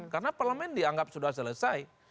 karena parlement dianggap sudah selesai